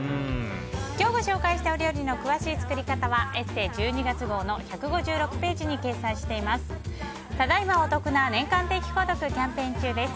今日ご紹介したお料理の詳しい作り方は「ＥＳＳＥ」１２月号の１５６ページに掲載しています。